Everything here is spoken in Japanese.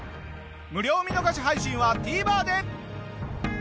無料見逃し配信はＴＶｅｒで。